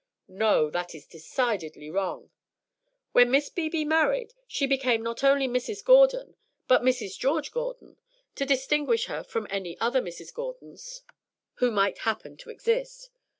"No; that is decidedly wrong. When Miss Beebe married, she became not only Mrs. Gordon, but Mrs. George Gordon, to distinguish her from any other Mrs. Gordons who might happen to exist.